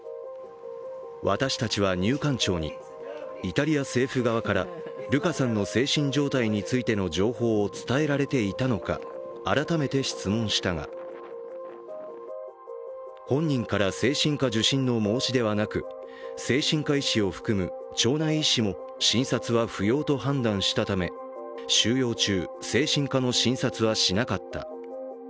私たちは入管庁にイタリア政府側からルカさんの精神状態についての情報を伝えられていたのか改めて質問したが、本人から精神科受診の申し出はなく精神科医師を含む庁内医師も診察は不要と判断したため収容中、精神科の診察はしなかった。